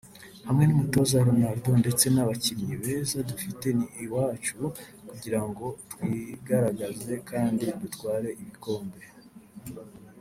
Hamwe n’umutoza Ronaldo ndetse n’abakinnyi beza dufite ni ahacu kugira ngo twigaragaze kandi dutware ibikombe